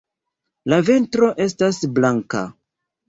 La ventro estas blanka.